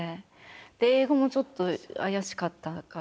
英語もちょっと怪しかったから。